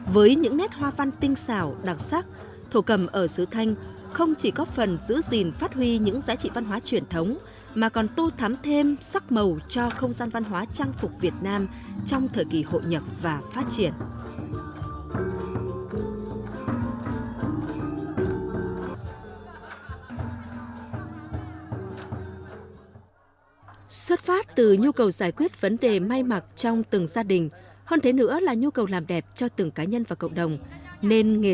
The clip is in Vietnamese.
với những nét hoa văn tinh xảo đặc sắc thổ cầm ở sứ thanh không chỉ góp phần giữ gìn phát huy những giá trị văn hóa truyền thống mà còn tô thắm thêm sắc màu cho công gian văn hóa trang phục việt nam trong thời kỳ hội nhập và phát triển